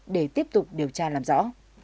để tiếp tục điều tra làm rõ